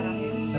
terima kasih pak